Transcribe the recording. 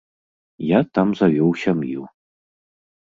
Я там завёў сям'ю.